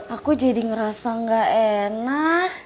aku jadi ngerasa gak enak